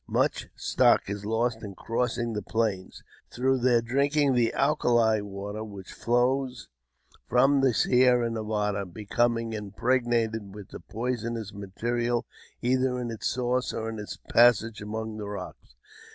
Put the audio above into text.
Much stock is lost in crossing the Plains, through their drinking the alkali water which flows from the Sierra Nevada, becoming impregnated with the poisonous mineral either in its source or in its passage among the rocks.